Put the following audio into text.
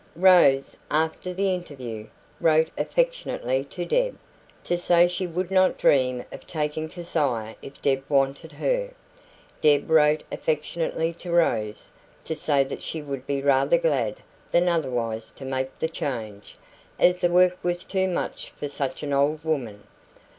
Rose, after the interview, wrote affectionately to Deb, to say she would not dream of taking Keziah if Deb wanted her; Deb wrote affectionately to Rose, to say that she would be rather glad than otherwise to make the change, as the work was too much for such an old woman.